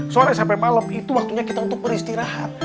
sore sampai malam itu waktunya kita untuk beristirahat